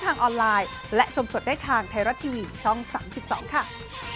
โดดเลยดิโดดเลย